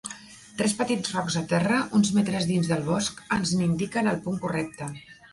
Tres petits rocs a terra, uns metres dins del bosc, ens n'indiquen el punt correcte.